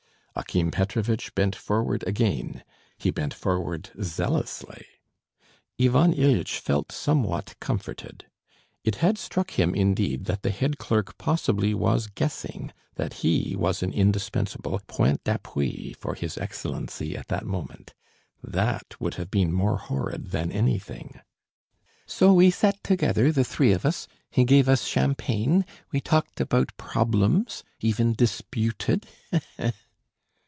Akim Petrovitch bent forward again. He bent forward zealously. Ivan Ilyitch felt somewhat comforted. It had struck him, indeed, that the head clerk possibly was guessing that he was an indispensable point d'appui for his Excellency at that moment. That would have been more horrid than anything. "So we sat together, the three of us, he gave us champagne, we talked about problems ... even dis pu ted....